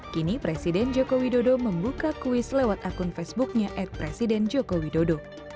kini presiden jokowi dodo membuka kuis lewat akun facebooknya at presiden jokowi dodo